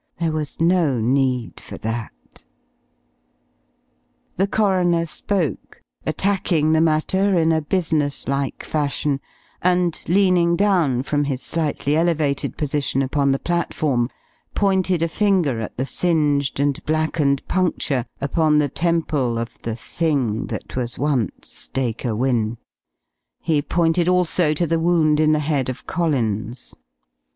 There was no need for that. The coroner spoke, attacking the matter in a business like fashion, and leaning down from his slightly elevated position upon the platform, pointed a finger at the singed and blackened puncture upon the temple of the thing that was once Dacre Wynne. He pointed also to the wound in the head of Collins.